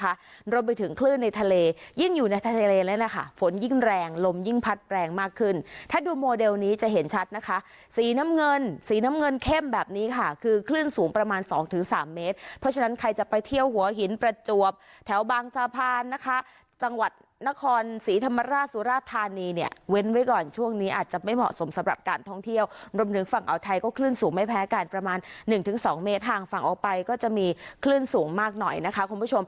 ถ้าเป็นรถไปถึงคลื่นในทะเลยิ่งอยู่ในทะเลแล้วนะคะฝนยิ่งแรงลมยิ่งพัดแรงมากขึ้นถ้าดูโมเดลนี้จะเห็นชัดนะคะสีน้ำเงินสีน้ำเงินเข้มแบบนี้ค่ะคือคลื่นสูงประมาณ๒๓เมตรเพราะฉะนั้นใครจะไปเที่ยวหัวหินประจวบแถวบางสะพานนะคะจังหวัดนครสีธรรมราชสุรธานีเนี่ยเว้นไว้ก่อนช่วงนี้อาจ